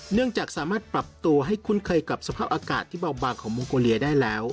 เนื่องจากสามารถปรับตัวให้คุ้นเคยกับสภาพอากาศที่เบาบางของมองโกเลียได้แล้ว